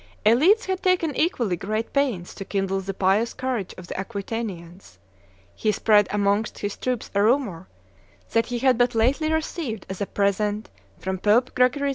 "Elides had taken equally great pains to kindle the pious courage of the Aquitanians; he spread amongst his troops a rumor that he had but lately received as a present from Pope Gregory II.